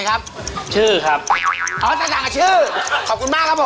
เก็บให้เย็น๑๙ใบเหลือกันครับ